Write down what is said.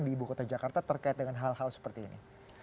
di ibu kota jakarta terkait dengan hal hal seperti ini